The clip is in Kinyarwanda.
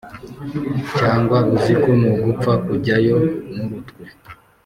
cyangwa uzi ngo nugupfa kujyayo nurutwe